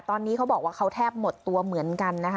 ตอนนี้เขาบอกว่าเขาแทบหมดตัวเหมือนกันนะคะ